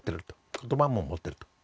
言葉も持ってると。